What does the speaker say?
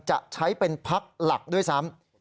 จะใช้เป็นพักหลักด้วยซ้ำ